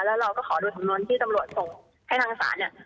แล้วเราก็ขอดูสำนวนที่ตำรวจส่งให้ทางศาลเนี่ย